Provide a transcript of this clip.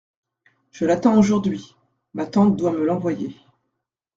Je l’attends aujourd’hui… ma tante doit me l’envoyer.